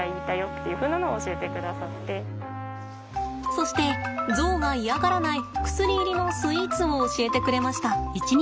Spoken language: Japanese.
そしてゾウが嫌がらない薬入りのスイーツを教えてくれました。